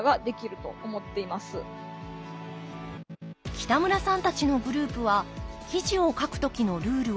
北村さんたちのグループは記事を書く時のルールを設けています。